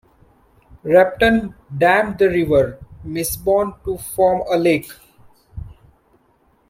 Repton dammed the River Misbourne to form a lake.